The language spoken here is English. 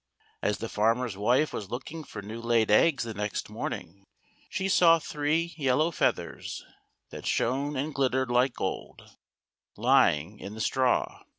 As the farmer's wife was look ing for new laid eggs the next morning, she saw three yellow feathers, that shone and glittered like gold, lying in the straw.